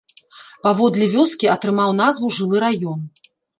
Паводле вёскі атрымаў назву жылы раён.